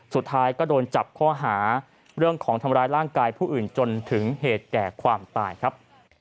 สุดท้ายก็โดนจับข้อหาเรื่องของทำร้ายร่างกายผู้อื่นจนถึงเหตุแก่ความตายครับ